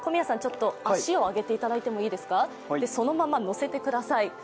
足を上げていただいて、そのまま乗せてください。